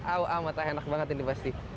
oh amat enak banget ini pasti